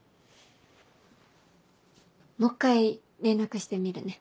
もう一回連絡してみるね。